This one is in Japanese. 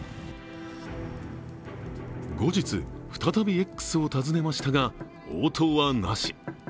後日、再びＸを訪ねましたが応答はなし。